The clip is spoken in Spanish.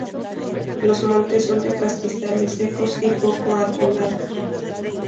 Los montes son de pastizales secos y poco arbolados.